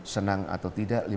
senang atau tidak